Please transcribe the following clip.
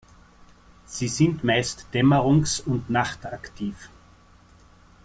Sie sind meist dämmerungs- und nachtaktiv.